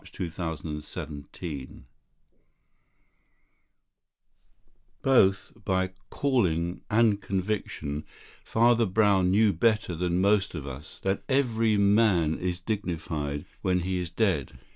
The Three Tools of Death Both by calling and conviction Father Brown knew better than most of us, that every man is dignified when he is dead.